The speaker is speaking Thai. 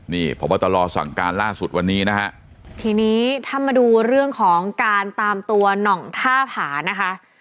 นี่พบตรสั่งการล่าสุดวันนี้นะฮะทีนี้ถ้ามาดูเรื่องของการตามตัวหน่องท่าผานะคะ